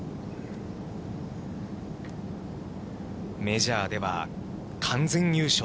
メジャーでは、完全優勝。